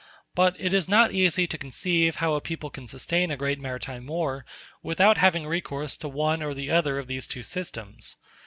But it is not easy to conceive how a people can sustain a great maritime war without having recourse to one or the other of these two systems.